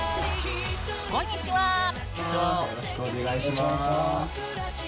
よろしくお願いします。